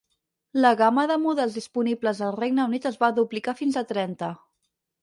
La gamma de models disponibles al Regne Unit es va duplicar fins a trenta.